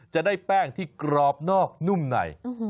จะได้แป้งที่กรอบนอกนุ่มใน